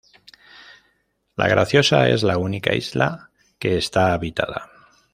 La Graciosa es la única isla que está habitada.